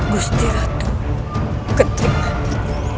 gusti ratu kentring mani